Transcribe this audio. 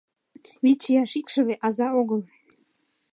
Вич ияш икшыве аза огыл.